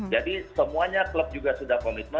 jadi semuanya klub juga sudah